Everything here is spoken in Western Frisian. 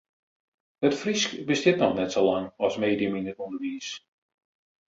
It Frysk bestiet noch net sa lang as medium yn it ûnderwiis.